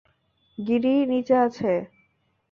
গিরি নিচে আছে।